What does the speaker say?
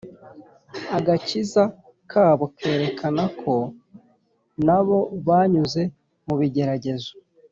agakiza kabo kerekanaga ko nabo banyuze mu bigeragezo.